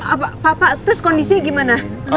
apa papa terus kondisi gimana